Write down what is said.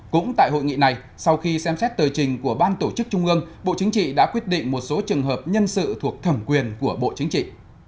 cũng tại hội nghị này sau khi xem xét tờ trình của ban tổ chức trung ương bộ chính trị đã quyết định một số trường hợp nhân sự thuộc thẩm quyền của bộ chính trị